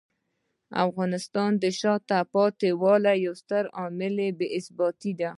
د افغانستان د شاته پاتې والي یو ستر عامل بې ثباتي دی.